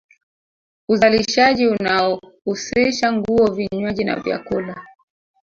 Uzalishaji unaohusisha nguo vinywaji na vyakula